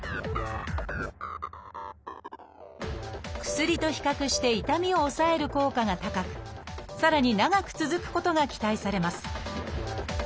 薬と比較して痛みを抑える効果が高くさらに長く続くことが期待されます。